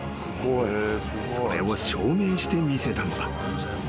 ［それを証明してみせたのだ］